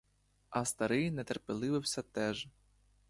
А старий нетерпеливився теж.